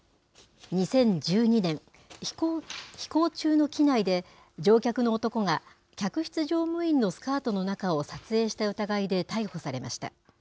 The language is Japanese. ２０１２年、飛行中の機内で乗客の男が客室乗務員のスカートの中を撮影した疑いで逮捕されました。